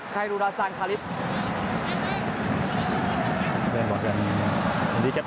ไคลูราซานคาลิป